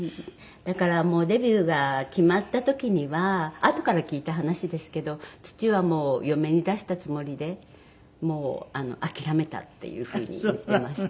だからもうデビューが決まった時にはあとから聞いた話ですけど父はもう嫁に出したつもりでもう諦めたっていう風に言ってました。